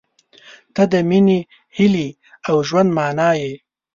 • ته د مینې، هیلې، او ژوند معنی یې.